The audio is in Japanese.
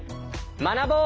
学ぼう！